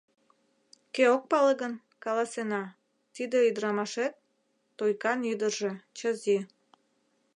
Кӧ ок пале гын, каласена: тиде ӱдырамашет — Тойкан ӱдыржӧ, Чази.